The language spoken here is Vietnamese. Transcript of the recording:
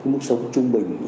mức sống trung bình